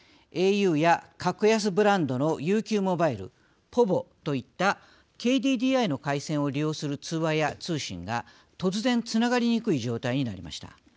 ａｕや格安ブランドのＵＱモバイル、ｐｏｖｏといったＫＤＤＩの回線を利用する通話や通信が突然つながりにくい状態になりました。